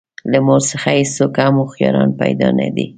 له مور څخه هېڅوک هم هوښیاران پیدا نه دي.